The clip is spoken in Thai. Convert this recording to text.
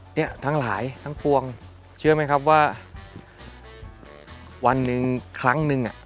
เนี่ยทั้งหลายทั้งปวงเชื่อไหมครับว่าวันหนึ่งครั้งหนึ่งอ่ะ